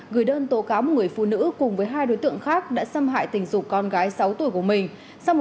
gửi đơn tố cáo một người phụ nữ cùng với hai đối tượng khác đã xâm hại tình dục con gái sáu tuổi của mình